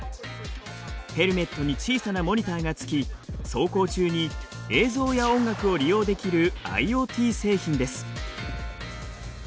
ヘルメットに小さなモニターが付き走行中に映像や音楽を利用できるＩｏＴ製品です。